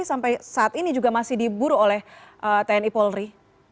sampai saat ini juga masih diburu oleh tni polri